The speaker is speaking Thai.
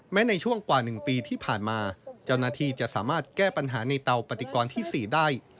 ในช่วงกว่า๑ปีที่ผ่านมาเจ้าหน้าที่จะสามารถแก้ปัญหาในเตาปฏิกรที่๔ได้